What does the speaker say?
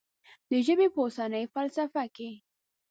د ژبې په اوسنۍ فلسفه کې.